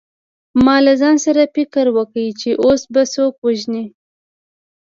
ما له ځان سره فکر وکړ چې اوس به څوک وژنې